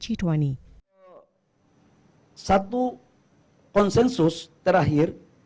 satu konsensus terakhir